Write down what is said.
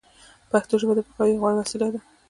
پښتو ژبه د پوهاوي غوره وسیله ده